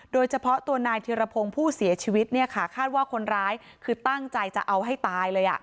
โดยเฉพาะตัวนายธิรพงศ์ผู้เสียชีวิตเนี่ยค่ะคาดว่าคนร้ายคือตั้งใจจะเอาให้ตายเลย